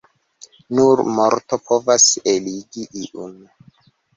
Nur morto povas eligi iun.